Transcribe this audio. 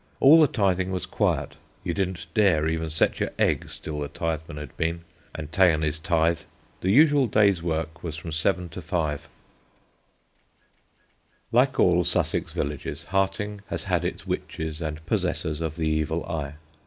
All the tithing was quiet. You didn't dare even set your eggs till the Titheman had been and ta'en his tithe. The usual day's work was from 7 to 5." [Sidenote: A SUSSEX WITCH] Like all Sussex villages, Harting has had its witches and possessors of the evil eye.